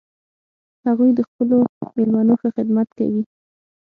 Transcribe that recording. هغوی د خپلو میلمنو ښه خدمت کوي